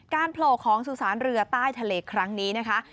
โผล่ของสุสานเรือใต้ทะเลครั้งนี้นะคะ